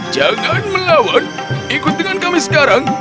jangan melawan ikut dengan kami sekarang